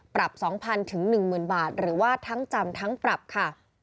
๒๐๐๐๑๐๐บาทหรือว่าทั้งจำทั้งปรับค่ะ